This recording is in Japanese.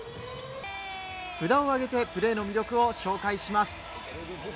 札を上げて、プレーの魅力を紹介します。